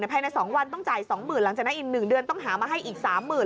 ในภายในสองวันต้องจ่ายสองหมื่นหลังจากนั้นอีกหนึ่งเดือนต้องหามาให้อีกสามหมื่น